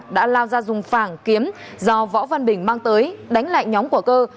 đã lao ra dùng phảng kiếm do võ văn bình mang tới đánh lại nhóm của cơ